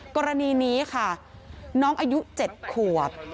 กรณีนี้ค่ะน้องอายุ๗ขวบ